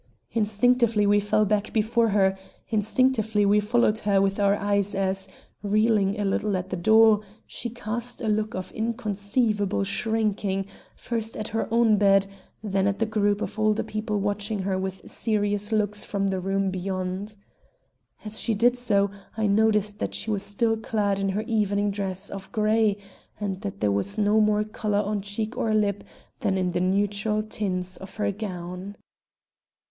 Instinctively we fell back before her; instinctively we followed her with our eyes as, reeling a little at the door, she cast a look of inconceivable shrinking, first at her own bed, then at the group of older people watching her with serious looks from the room beyond. As she did so I noted that she was still clad in her evening dress of gray, and that there was no more color on cheek or lip than in the neutral tints of her gown.